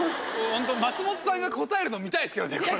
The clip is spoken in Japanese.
松本さんが答えるの見たいですけどね。